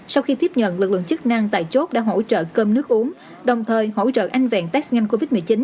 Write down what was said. sau khi tiếp nhận lực lượng chức năng tại chốt đã hỗ trợ cơm nước uống đồng thời hỗ trợ anh vẹn test nhanh covid một mươi chín